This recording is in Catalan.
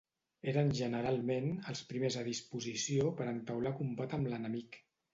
Eren generalment els primers a disposició per a entaular combat amb l'enemic.